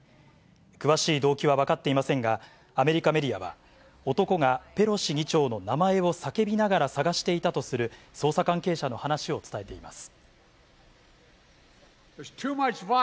詳しい動機は分かっていませんが、アメリカメディアは、男がペロシ議長の名前を叫びながら捜していたとする、捜査関係者の話を伝えています。